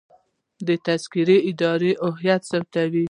د تذکرو اداره هویت ثبتوي